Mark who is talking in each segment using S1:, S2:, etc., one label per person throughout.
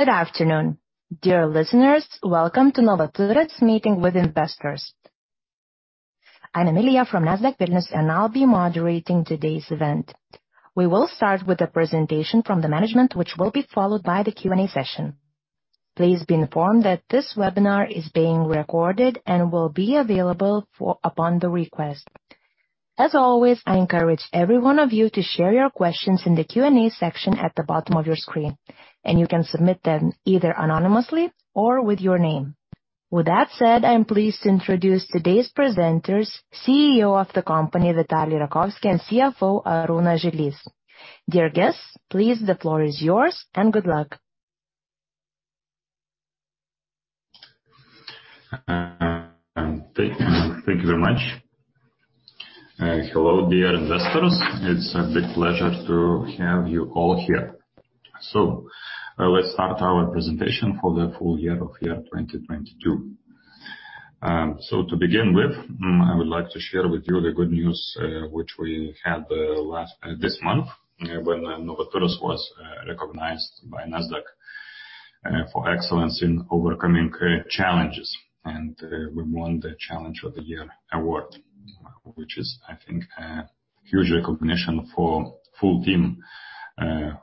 S1: Good afternoon, dear listeners. Welcome to Novaturas meeting with investors. I'm Emilija from Nasdaq Vilnius, I'll be moderating today's event. We will start with a presentation from the management, which will be followed by the Q&A session. Please be informed that this webinar is being recorded, will be available upon the request. As always, I encourage every one of you to share your questions in the Q&A section at the bottom of your screen, you can submit them either anonymously or with your name. With that said, I am pleased to introduce today's presenters, CEO of the company, Vitalij Rakovski, CFO, Arūnas Žilys. Dear guests, please, the floor is yours, good luck.
S2: Thank you. Thank you very much. Hello, dear investors. It's a big pleasure to have you all here. Let's start our presentation for the full year of 2022. To begin with, I would like to share with you the good news, which we had this month when Novaturas was recognized by Nasdaq for excellence in overcoming current challenges. We won The Challenge of the Year award, which is, I think, a huge recognition for full team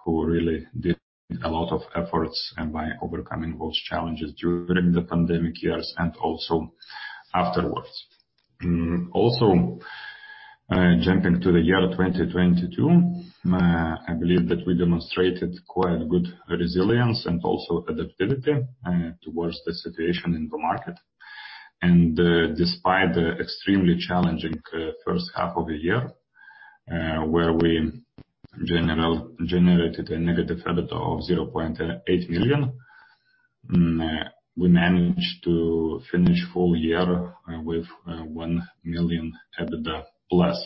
S2: who really did a lot of efforts by overcoming those challenges during the pandemic years and also afterwards. Also, jumping to the year 2022, I believe that we demonstrated quite good resilience and also adaptability towards the situation in the market. Despite the extremely challenging first half of the year, where we generated a negative EBITDA of 0.8 million, we managed to finish full year with 1 million EBITDA plus.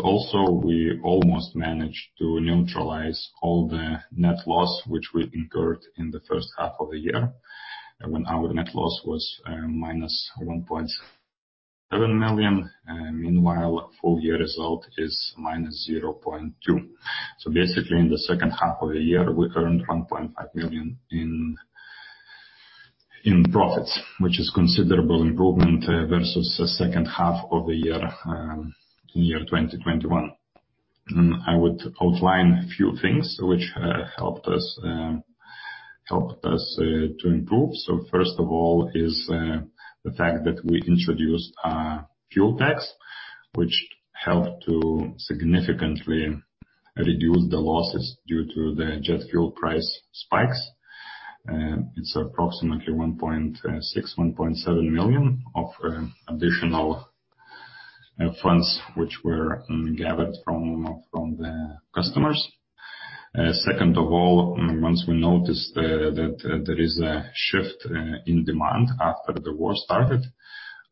S2: Also, we almost managed to neutralize all the net loss which we incurred in the first half of the year when our net loss was minus 1.7 million. Meanwhile, full year result is minus 0.2 million. Basically, in the second half of the year, we earned 1.5 million in profits, which is considerable improvement versus the second half of the year in year 2021. I would outline a few things which helped us to improve. First of all is the fact that we introduced a fuel tax, which helped to significantly reduce the losses due to the jet fuel price spikes. It's approximately 1.6 million-1.7 million of additional funds which were gathered from the customers. Second of all, once we noticed that there is a shift in demand after the war started,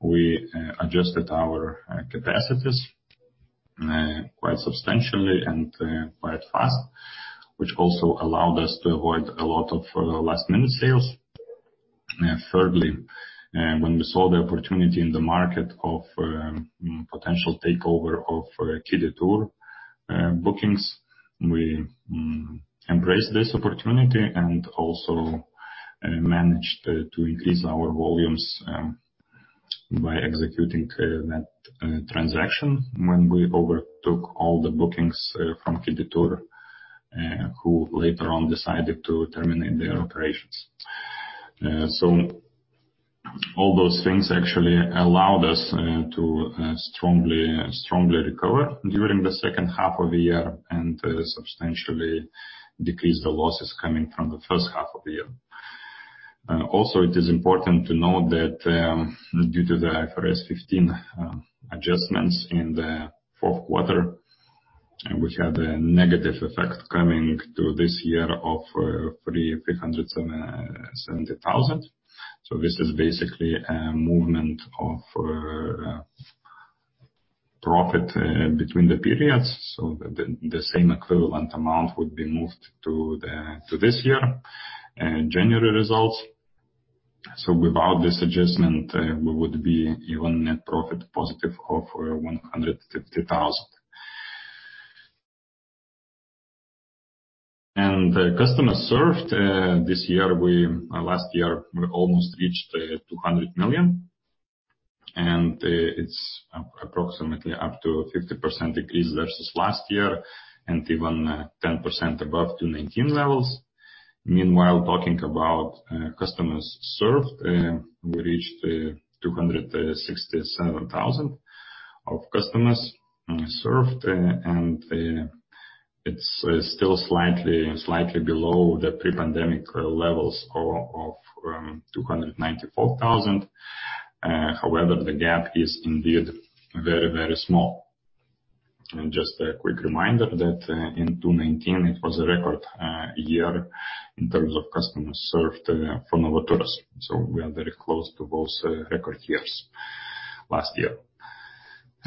S2: we adjusted our capacities quite substantially and quite fast, which also allowed us to avoid a lot of last minute sales. Thirdly, when we saw the opportunity in the market of potential takeover of Kidy Tour bookings, we embraced this opportunity and also managed to increase our volumes by executing that transaction when we overtook all the bookings from Kidy Tour, who later on decided to terminate their operations. All those things actually allowed us to strongly recover during the second half of the year and substantially decrease the losses coming from the first half of the year. It is important to note that due to the IFRS 15 adjustments in the Q4, which had a negative effect coming to this year of 370,000. This is basically a movement of profit between the periods. The same equivalent amount would be moved to this year, January results. Without this adjustment, we would be even net profit positive of 150,000. Customers served this year, last year, we almost reached 200 million, it's approximately up to 50% increase versus last year and even 10% above 2019 levels. Meanwhile, talking about customers served, we reached 267,000 of customers served. It's still slightly below the pre-pandemic levels of 294,000. However, the gap is indeed very small. Just a quick reminder that in 2019, it was a record year in terms of customers served for Novaturas. We are very close to those record years last year.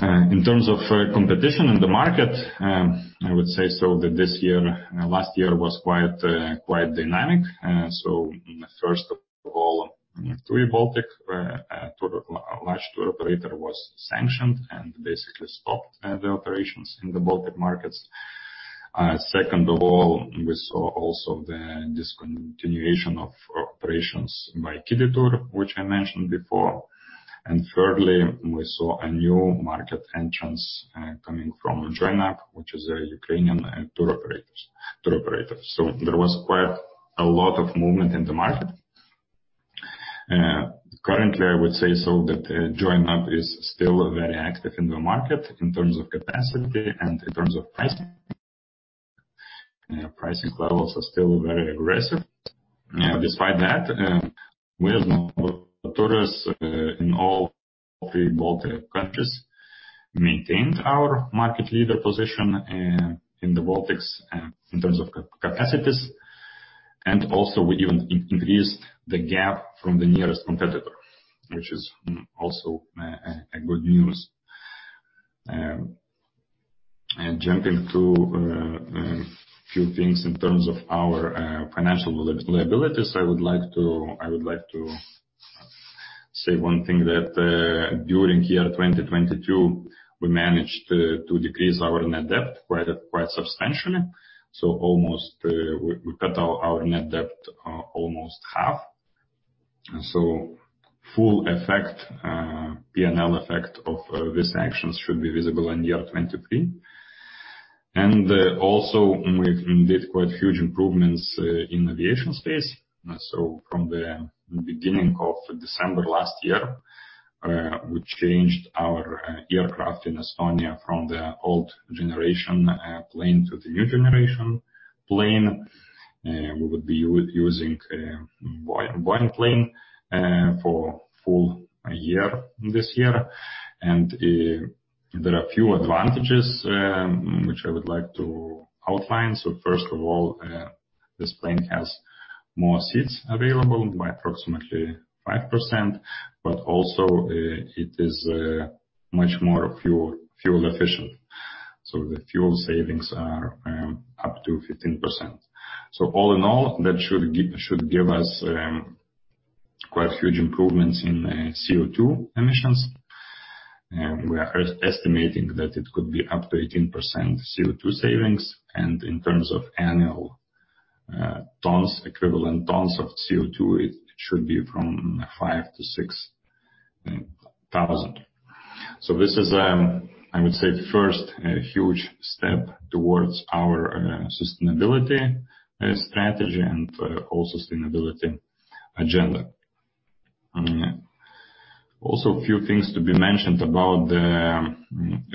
S2: In terms of competition in the market, I would say so that last year was quite dynamic. First of all three Baltic large tour operator was sanctioned and basically stopped the operations in the Baltic markets. Second of all, we saw also the discontinuation of operations by Kidy Tour, which I mentioned before. Thirdly, we saw a new market entrance coming from Join UP!, which is a Ukrainian tour operator. There was quite a lot of movement in the market. Currently, I would say so that Join UP! is still very active in the market in terms of capacity and in terms of pricing. Prices levels are still very aggressive. Now, despite that with Novaturas in all the three Baltic countries maintained our market leader position in the Baltics in terms of capacities. Also, we even iincreased the gap from the nearest competitor, which is also a good news. Jumping to few things in terms of our financial liabilities. I would like to say one thing that during year 2022, we managed to decrease our net debt quite substantially. Almost, we cut our net debt almost half. Full effect, P&L effect of these actions should be visible in year 2023. Also, we did quite huge improvements in aviation space. From the beginning of December last year, we changed our aircraft in Estonia from the old generation plane to the new generation plane. We would be using one plane for full year this year. There are few advantages which I would like to outline. First of all, this plane has more seats available by approximately 5%, but also it is much more fuel efficient. The fuel savings are up to 15%. All in all that should give us quite huge improvements in CO2 emissions. We are estimating that it could be up to 18% CO2 savings. In terms of annual tons, equivalent tons of CO2, it should be from 5,000-6,000 tons. This is, I would say the first huge step towards our sustainability strategy and all sustainability agenda. Also a few things to be mentioned about the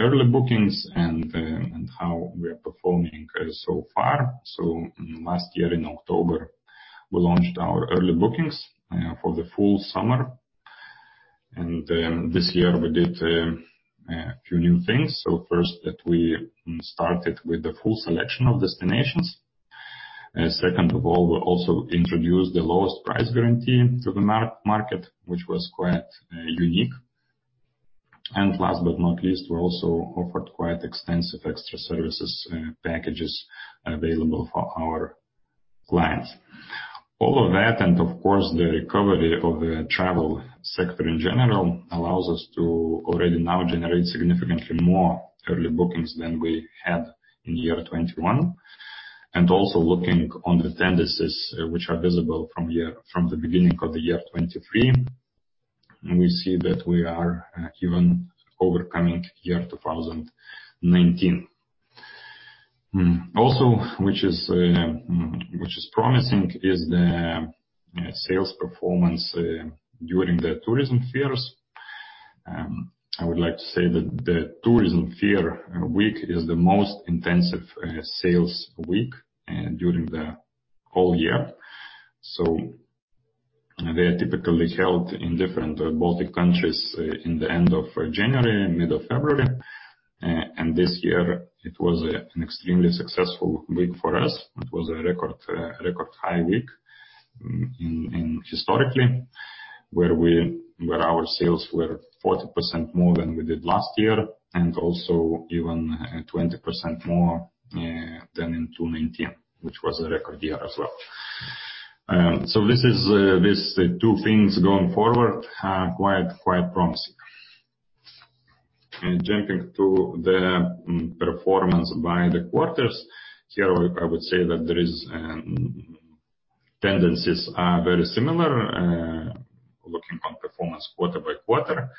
S2: early bookings and how we are performing so far. Last year in October, we launched our early bookings for the full summer. This year we did a few new things. First that we started with the full selection of destinations. Second of all, we also introduced the Lowest Price Guarantee to the market, which was quite unique. Last but not least, we also offered quite extensive extra services packages available for our clients. All of that, of course, the recovery of the travel sector in general, allows us to already now generate significantly more early bookings than we had in year 2021. Also looking on the tendencies which are visible from year, from the beginning of the year 2023, we see that we are even overcoming year 2019. Also, which is which is promising is the sales performance during the tourism fairs. I would like to say that the tourism fair week is the most intensive sales week during the whole year. They are typically held in different Baltic countries in the end of January, middle February. This year it was an extremely successful week for us. It was a record high week in historically, where our sales were 40% more than we did last year, even 20% more than in 2019, which was a record year as well. This is, these two things going forward are quite promising. Jumping to the performance by the quarters. Here, I would say that tendencies are very similar, looking on performance quarter by quarter.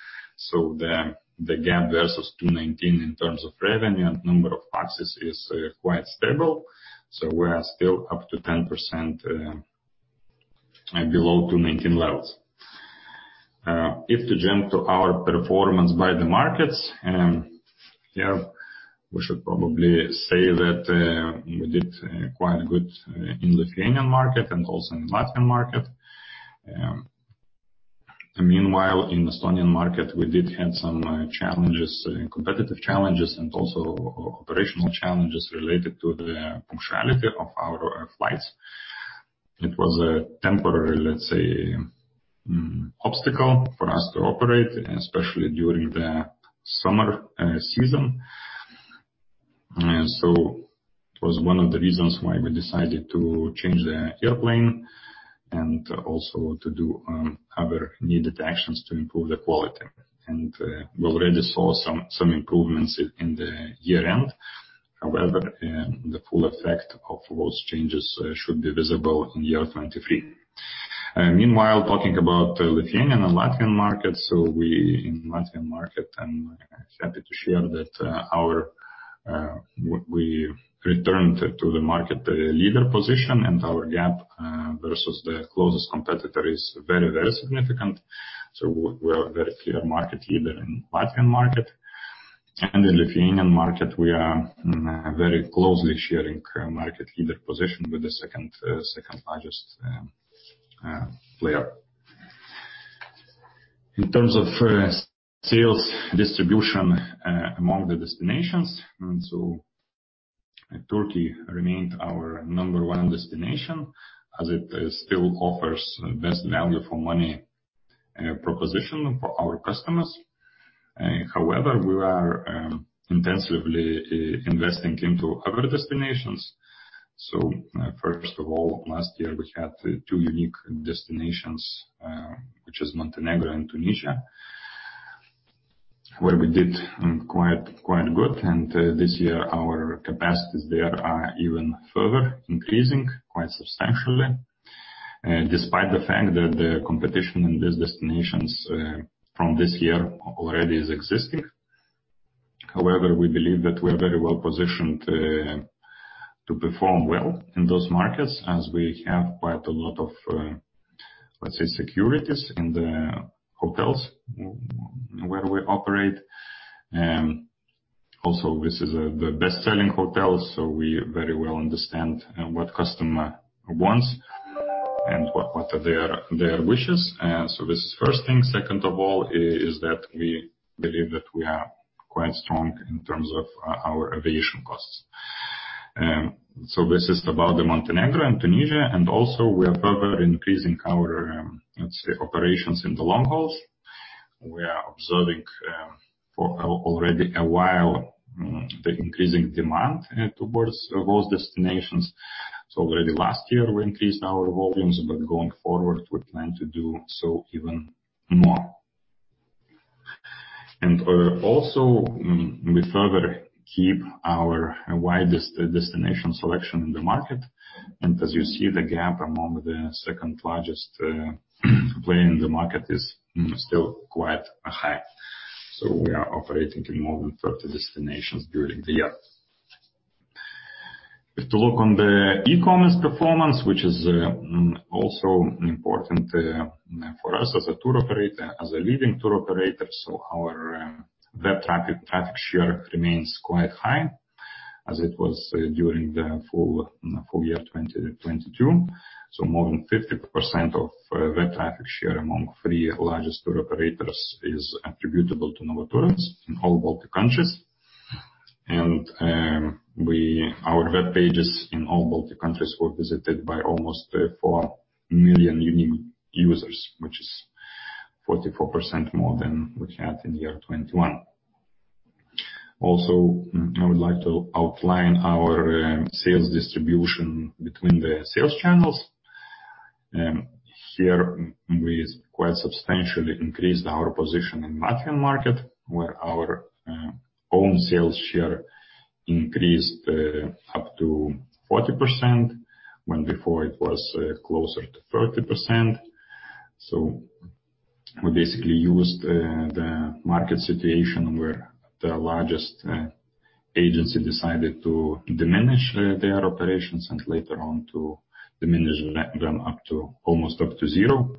S2: The gap versus 2019 in terms of revenue and number of passengers is quite stable. We are still up to 10% below 2019 levels. If to jump to our performance by the markets, here we should probably say that we did quite good in Lithuanian market and also in Latvian market. Meanwhile, in Estonian market, we did have some challenges, competitive challenges and also operational challenges related to the punctuality of our flights. It was a temporary, let's say, obstacle for us to operate, especially during the summer season. It was one of the reasons why we decided to change the airplane and also to do other needed actions to improve the quality. We already saw some improvements in the year-end. However, the full effect of those changes should be visible in year 2023. Meanwhile, talking about the Lithuanian and Latvian markets. We in Latvian market, I'm happy to share that our we returned to the market leader position and our gap versus the closest competitor is very significant. We're a very clear market leader in Latvian market. In Lithuanian market we are very closely sharing market leader position with the second largest player. In terms of sales distribution among the destinations. Turkey remained our number one destination as it still offers best value for money proposition for our customers. We are intensively investing into other destinations. First of all, last year we had two unique destinations, which is Montenegro and Tunisia. Where we did quite good. This year our capacities there are even further increasing quite substantially. Despite the fact that the competition in these destinations from this year already is existing. We believe that we are very well positioned to perform well in those markets as we have quite a lot of, let's say, securities in the hotels where we operate. This is the best selling hotels, so we very well understand what customer wants and what are their wishes. This is first thing. Second of all is that we believe that we are quite strong in terms of our aviation costs. This is about the Montenegro and Tunisia, and also we are further increasing our, let's say, operations in the long hauls. We are observing already a while, the increasing demand towards those destinations. Already last year we increased our volumes, but going forward we plan to do so even more. Also, we further keep our widest destination selection in the market. As you see, the gap among the second-largest player in the market is still quite high. We are operating in more than 30 destinations during the year. If to look on the e-commerce performance, which is also important for us as a tour operator, as a leading tour operator. Our web traffic share remains quite high as it was during the full year 2022. More than 50% of web traffic share among three largest tour operators is attributable to Novaturas in all Baltic countries. Our web pages in all Baltic countries were visited by almost 4 million unique users, which is 44% more than we had in year 2021. Also, we would like to outline our sales distribution between the sales channels. Here we quite substantially increased our position in Latvian market, where our own sales share increased up to 40% when before it was closer to 30%. We basically used the market situation where the largest agency decided to diminish their operations and later on to diminish them up to almost up to zero.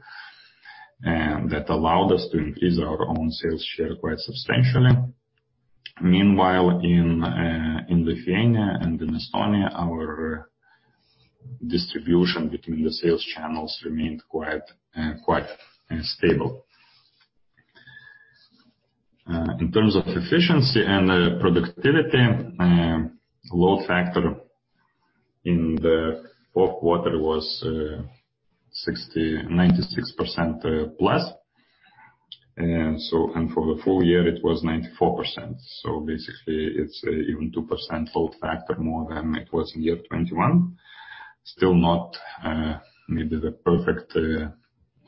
S2: That allowed us to increase our own sales share quite substantially. Meanwhile, in Lithuania and in Estonia, our distribution between the sales channels remained quite stable. In terms of efficiency and productivity, load factor in the Q4 was 96% plus. For the full year it was 94%. Basically it's even 2% load factor more than it was in year 2021. Still not maybe the perfect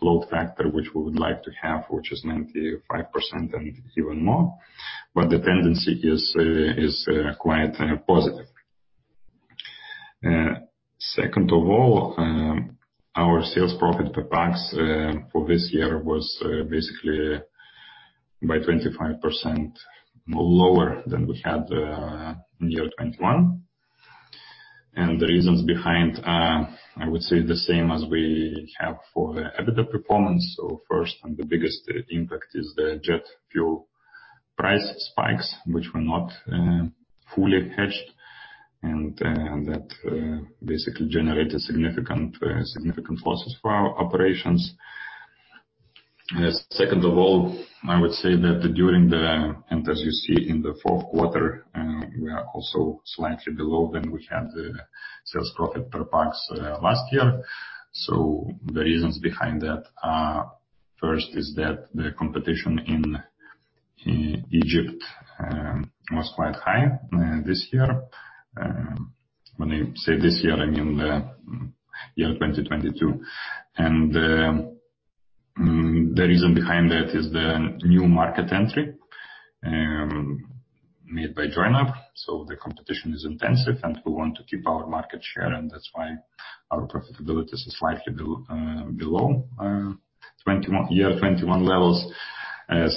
S2: load factor which we would like to have, which is 95% and even more, but the tendency is quite positive. Second of all, our sales profit per pax for this year was basically by 25% lower than we had in year 2021. The reasons behind are, I would say the same as we have for the EBITDA performance. First, and the biggest impact is the jet fuel price spikes, which were not fully hedged, and that basically generated significant losses for our operations. Second of all, I would say that as you see in the Q4, we are also slightly below than we had the sales profit per pax last year. The reasons behind that are, first is that the competition in Egypt was quite high this year. When I say this year, I mean the year 2022. The reason behind that is the new market entry made by Join UP!. The competition is intensive, and we want to keep our market share, and that's why our profitability is slightly below year 2021 levels.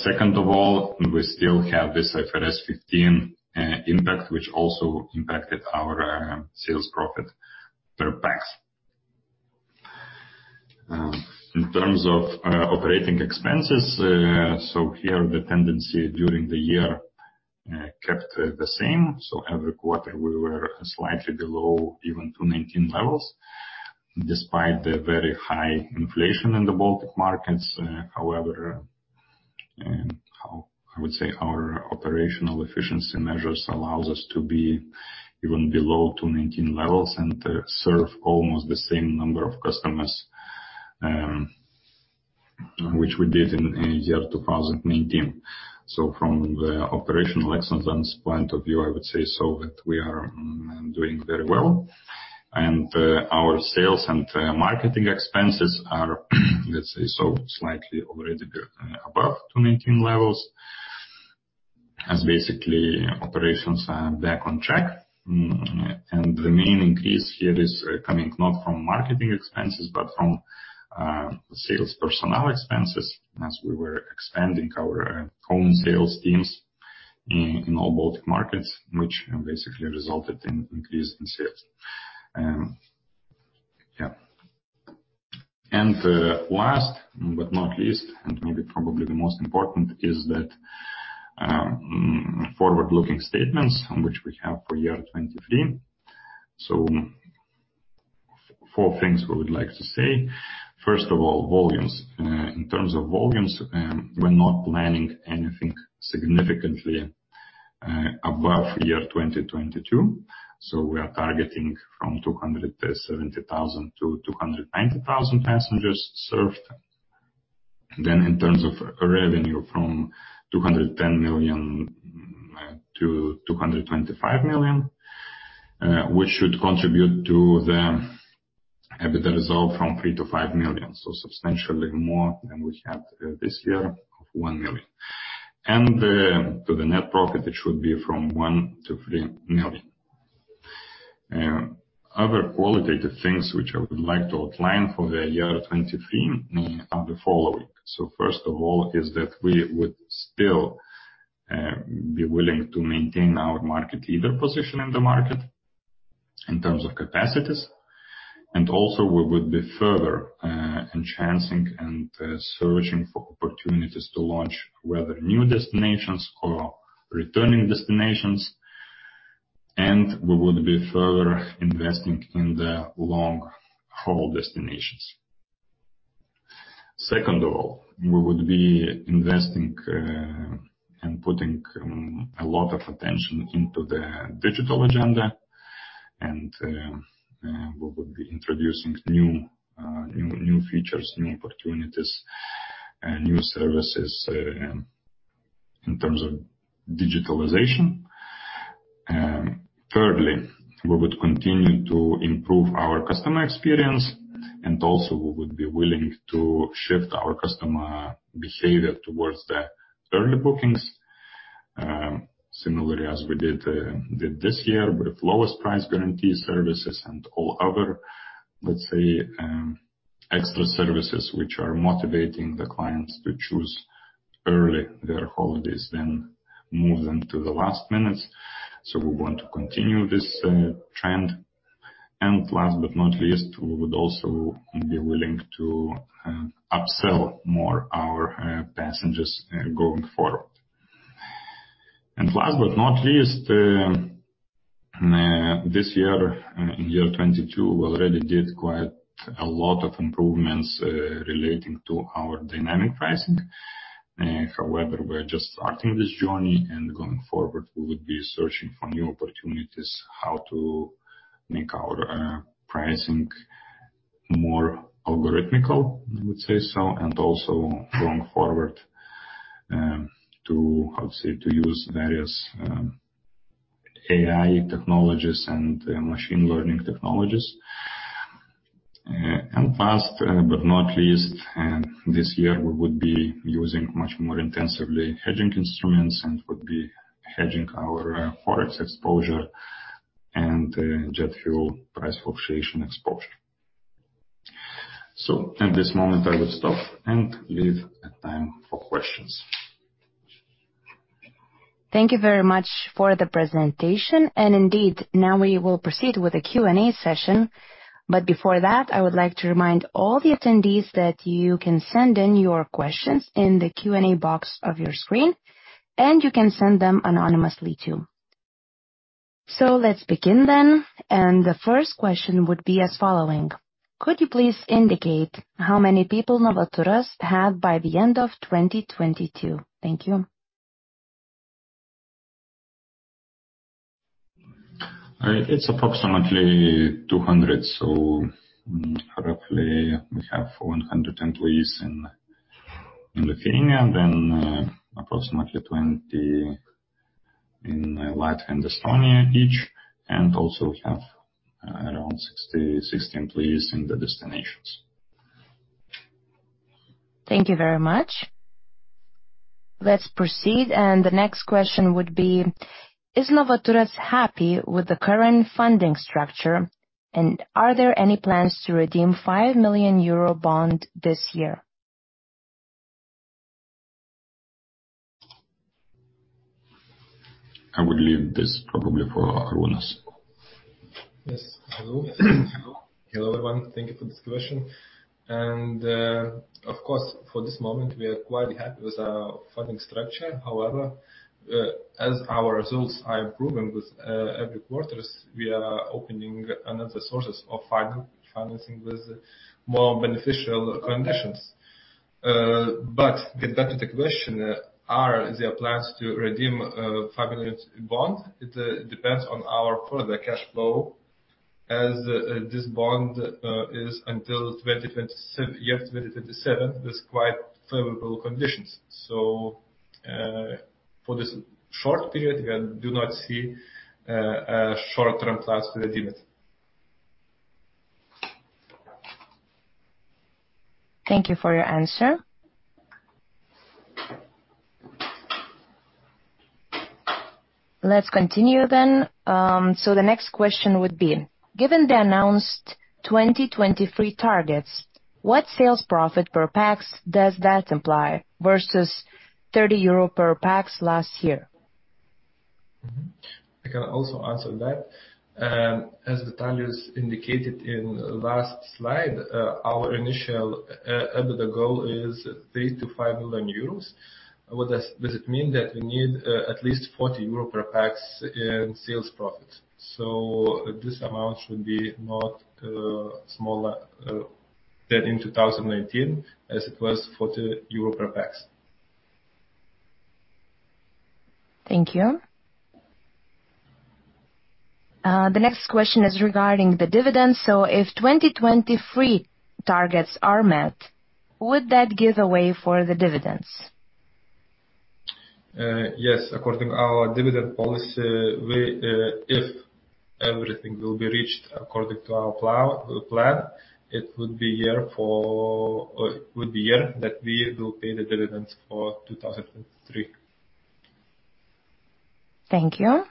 S2: Second of all, we still have this IFRS 15 impact, which also impacted our sales profit per pax. In terms of operating expenses, here the tendency during the year kept the same. Every quarter we were slightly below even to 2019 levels, despite the very high inflation in the Baltic markets. However, how I would say our operational efficiency measures allows us to be even below to 2019 levels and serve almost the same number of customers which we did in the year 2019. From the operational excellence point of view, I would say so that we are doing very well. Our sales and marketing expenses are, let's say, so slightly already above to 19 levels as basically operations are back on track. The main increase here is coming not from marketing expenses, but from sales personnel expenses as we were expanding our own sales teams in all Baltic markets, which basically resulted in increase in sales. Yeah. Last but not least, and maybe probably the most important, is that forward-looking statements which we have for year 2023. Four things we would like to say. First of all, volumes. In terms of volumes, we're not planning anything significantly above year 2022, so we are targeting from 270,000 to 290,000 passengers served. In terms of revenue from 210 million to 225 million, which should contribute to the EBITDA result from 3 million to 5 million, so substantially more than we had this year of 1 million. To the net profit, it should be from 1 million to 3 million. Other qualitative things which I would like to outline for the year 2023 are the following. First of all is that we would still be willing to maintain our market leader position in the market in terms of capacities, and also we would be further enhancing and searching for opportunities to launch whether new destinations or returning destinations, and we would be further investing in the long-haul destinations. Second of all, we would be investing and putting a lot of attention into the digital agenda, and we would be introducing new features, new opportunities and new services in terms of digitalization. Thirdly, we would continue to improve our customer experience, and also we would be willing to shift our customer behavior towards the early bookings, similarly as we did this year with Lowest Price Guarantee services and all other, let's say, extra services which are motivating the clients to choose early their holidays than move them to the last minutes. We want to continue this trend. Last but not least, we would also be willing to upsell more our passengers going forward. Last but not least, this year, in year 2022, we already did quite a lot of improvements relating to our dynamic pricing. However, we're just starting this journey, and going forward, we will be searching for new opportunities how to make our pricing more algorithmical, I would say so, and also going forward, to, how to say, to use various AI technologies and machine learning technologies. Last but not least, this year, we would be using much more intensively hedging instruments and would be hedging our forex exposure and jet fuel price fluctuation exposure. At this moment I would stop and leave a time for questions.
S1: Thank you very much for the presentation. Indeed, now we will proceed with the Q&A session. Before that, I would like to remind all the attendees that you can send in your questions in the Q&A box of your screen, and you can send them anonymously too. Let's begin then. The first question would be as following: Could you please indicate how many people Novaturas have by the end of 2022? Thank you.
S2: It's approximately 200. Roughly, we have 100 employees in Lithuania, then approximately 20 in Latvia and Estonia each, and also we have around 60 employees in the destinations.
S1: Thank you very much. Let's proceed. The next question would be: Is Novaturas happy with the current funding structure, and are there any plans to redeem 5 million euro bond this year?
S2: I would leave this probably for Arūnas.
S3: Yes. Hello. Hello, everyone. Thank you for this question. Of course, for this moment, we are quite happy with our funding structure. However, as our results are improving with every quarters, we are opening another sources of financing with more beneficial conditions. Get back to the question, are there plans to redeem 5 million bond? It depends on our further cash flow as this bond is until 2027, year 2027, with quite favorable conditions. For this short period, we do not see a short-term plans to redeem it.
S1: Thank you for your answer. Let's continue. The next question would be: Given the announced 2023 targets, what sales profit per pax does that imply versus 30 euro per pax last year?
S3: I can also answer that. As Vitalij indicated in last slide, our initial EBITDA goal is 3 million-5 million euros. What does it mean that we need at least 40 euro per pax in sales profit. This amount should be not smaller than in 2019, as it was EUR 40 per pax.
S1: Thank you. The next question is regarding the dividends. If 2023 targets are met, would that give a way for the dividends?
S3: Yes. According our dividend policy, we, if everything will be reached according to our plan, it would be year that we will pay the dividends for 2003.
S1: Thank you.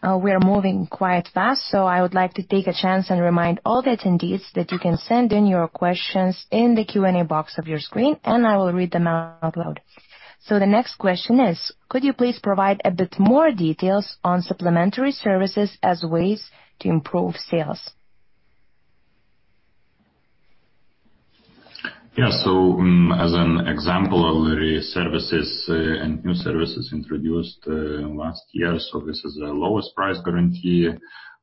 S1: We are moving quite fast, so I would like to take a chance and remind all the attendees that you can send in your questions in the Q&A box of your screen, and I will read them out loud. The next question is: Could you please provide a bit more details on supplementary services as ways to improve sales?
S2: Yeah. As an example, there is services and new services introduced last year. This is the Lowest Price Guarantee.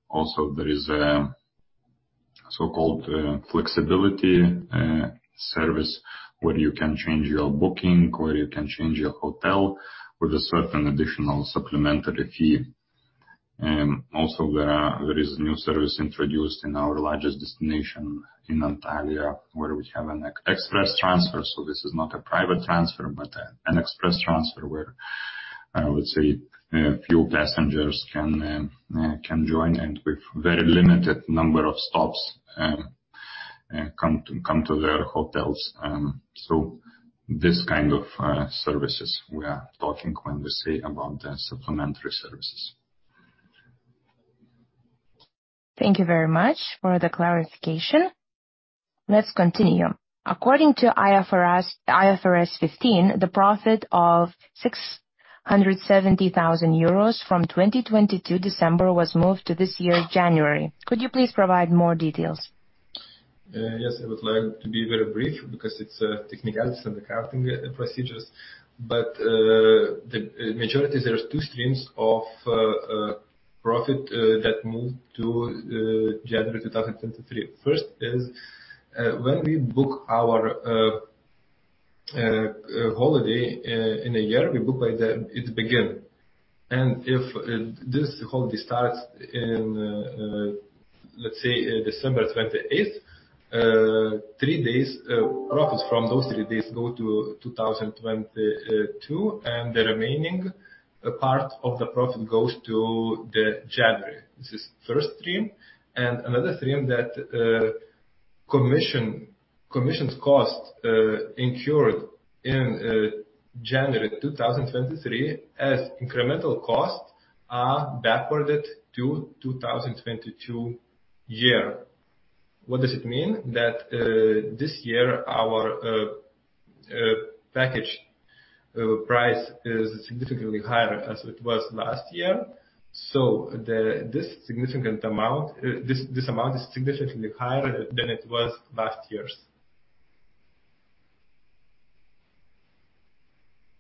S2: Also, there is a so-called flexibility service, where you can change your booking, or you can change your hotel with a certain additional supplementary fee. Also there is a new service introduced in our largest destination in Antalya, where we have an express transfer. This is not a private transfer but an express transfer where, I would say, a few passengers can join and with very limited number of stops come to their hotels. This kind of services we are talking when we say about the supplementary services.
S1: Thank you very much for the clarification. Let's continue. According to IFRS 15, the profit of 670,000 euros from December 2022 was moved to this year, January. Could you please provide more details?
S3: Yes, I would like to be very brief because it's technicalities in the accounting procedures. The majority, there are two streams of profit that moved to January 2023. First is when we book our holiday in a year, we book by the... It begin. If this holiday starts in, let's say, December 28th, three days, profits from those three days go to 2022, and the remaining part of the profit goes to the January. This is first stream. Another stream that commissions cost incurred in January 2023 as incremental costs are backwarded to 2022 year. What does it mean? This year, our package price is significantly higher as it was last year. This significant amount. This amount is significantly higher than it was last year's.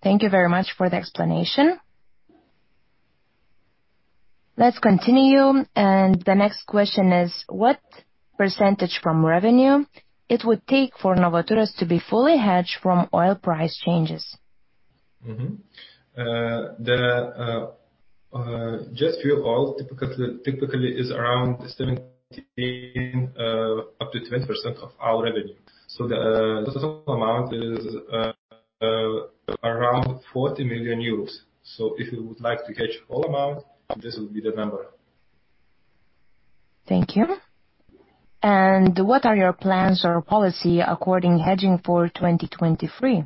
S1: Thank you very much for the explanation. Let's continue. The next question is: What percentage from revenue it would take for Novaturas to be fully hedged from oil price changes?
S3: The jet fuel oil typically is around 17%, up to 20% of our revenue. The total amount is around 40 million euros. If you would like to hedge all amount, this will be the number.
S1: Thank you. What are your plans or policy according hedging for 2023?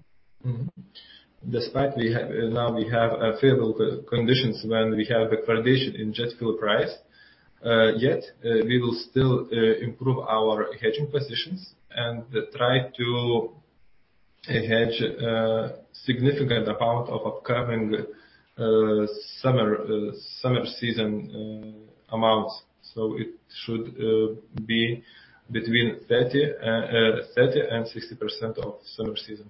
S3: Now we have favorable conditions when we have a foundation in jet fuel price, yet, we will still improve our hedging positions and try to hedge significant amount of upcoming summer season amounts. It should be between 30% and 60% of summer season.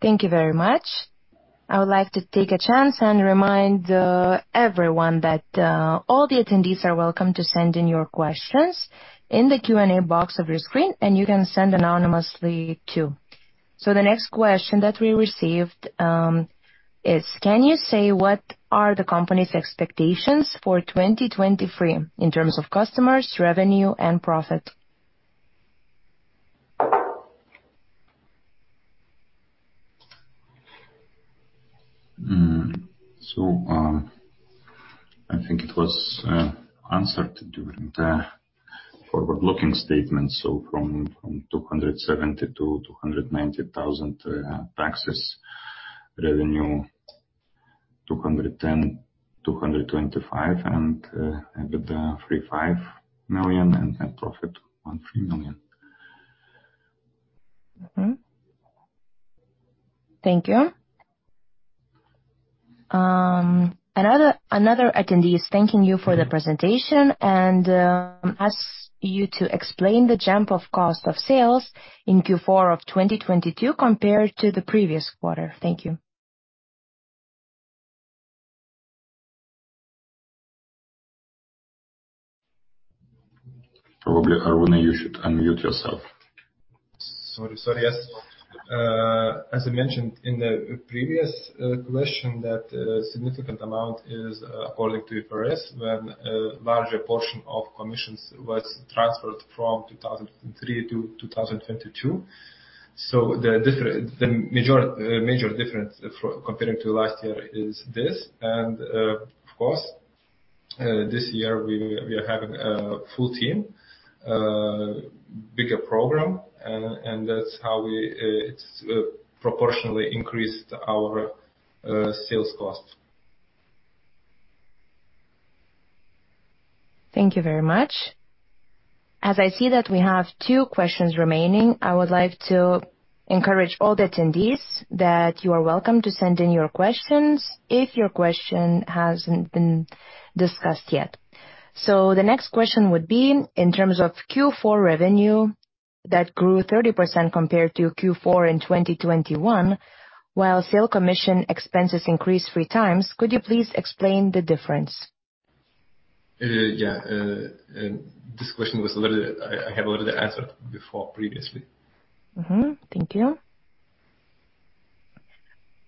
S1: Thank you very much. I would like to take a chance and remind everyone that all the attendees are welcome to send in your questions in the Q&A box of your screen, and you can send anonymously too. The next question that we received is: Can you say what are the company's expectations for 2023 in terms of customers, revenue, and profit?
S2: I think it was answered during the forward-looking statement. From 270,000-290,000 taxes. Revenue, 210-225. EBITDA, 3 million-5 million. Net profit, 1 million-3 million.
S1: Thank you. another attendee is thanking you for the presentation and, asks you to explain the jump of cost of sales in Q4 of 2022 compared to the previous quarter. Thank you.
S2: Probably, Arūnas, you should unmute yourself.
S3: Sorry. Yes. As I mentioned in the previous question, that a significant amount is according to IFRS, when a larger portion of commissions was transferred from 2003 to 2022. The major difference for comparing to last year is this. Of course, this year we are having a full team, bigger program, and that's how we proportionally increased our sales cost.
S1: Thank you very much. As I see that we have two questions remaining, I would like to encourage all the attendees that you are welcome to send in your questions if your question hasn't been discussed yet. The next question would be: In terms of Q4 revenue that grew 30% compared to Q4 in 2021, while sale commission expenses increased three times, could you please explain the difference?
S3: Yeah. I have a little bit answered before, previously.
S1: Mm-hmm. Thank you.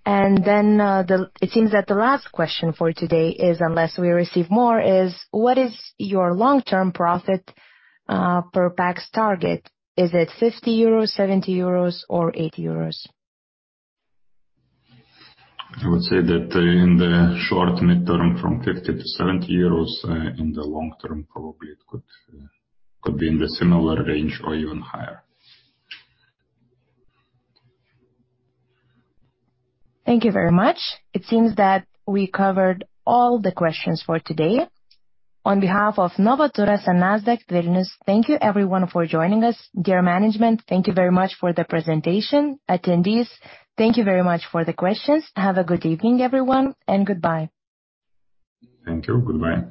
S1: Then, it seems that the last question for today is, unless we receive more, is: What is your long-term profit per pax target? Is it 50 euros, 70 euros, or 80 euros?
S2: I would say that, in the short mid term, from 50- 70 euros. In the long term, probably it could be in the similar range or even higher.
S1: Thank you very much. It seems that we covered all the questions for today. On behalf of Novaturas and Nasdaq Vilnius, thank you everyone for joining us. Dear Management, thank you very much for the presentation. Attendees, thank you very much for the questions. Have a good evening, everyone, and goodbye.
S2: Thank you. Goodbye.